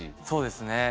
そうですね